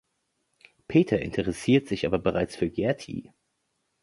Peter interessiert sich aber bereits für Gerti.